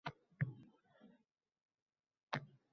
O‘rnidan turarkan, yurak urishi tezlashdi.